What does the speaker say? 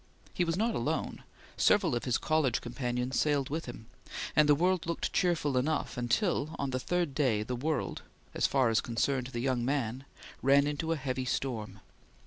He was not alone. Several of his college companions sailed with him, and the world looked cheerful enough until, on the third day, the world as far as concerned the young man ran into a heavy storm.